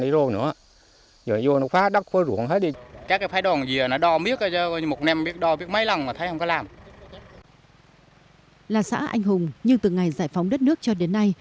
là xã anh hùng nhưng từ ngày giải phóng đất nước cho đến nay